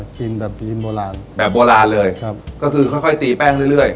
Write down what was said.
กินแบบจีนโบราณแบบโบราณเลยครับก็คือค่อยค่อยตีแป้งเรื่อย